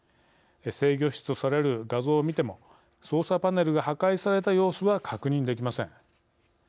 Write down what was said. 制御室とされる画像を見ても操作パネルが破壊された様子は確認できません。